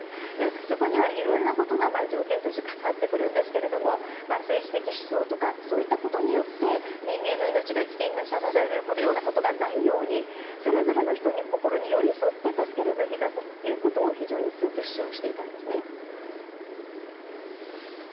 そこにはいろんなことが条件としてかかってくるんですけども政治的思想とかそういったことで人間の命が危険にさらされることがないようにそれぞれの人の心に寄り添って助けるべきだと非常に強く主張していたんですね。